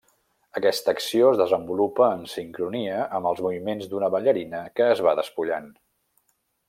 Aquesta acció es desenvolupa en sincronia amb els moviments d’una ballarina que es va despullant.